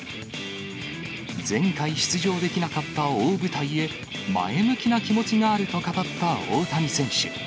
前回出場できなかった大舞台へ、前向きな気持ちがあると語った大谷選手。